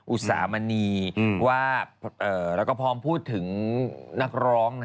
อุตสามณีว่าเราก็พร้อมพูดถึงนักร้อง